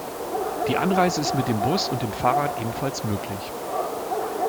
Die Anreise ist mit dem Bus und dem Fahrrad ebenfalls möglich.